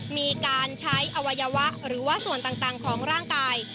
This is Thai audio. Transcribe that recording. มีการใช้อวัยวะหรือว่าส่วนต่างของร่างกาย